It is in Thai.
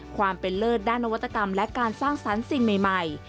ความเป็นเลิศด้านนวัตกรรมและการสร้างสรรค์สิ่งใหม่